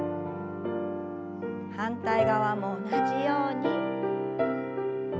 反対側も同じように。